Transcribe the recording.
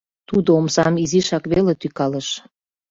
Тудо омсам изишак веле тӱкалыш.